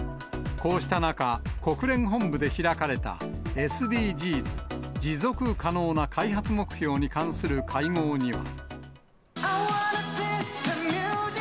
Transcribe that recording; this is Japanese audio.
こうした中、国連本部で開かれたＳＤＧｓ・持続可能な開発目標に関する会合には。